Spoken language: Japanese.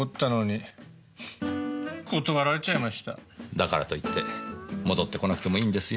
だからといって戻ってこなくてもいいんですよ。